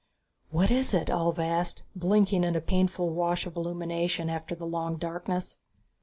"What is it?" Ulv asked, blinking in the painful wash of illumination after the long darkness.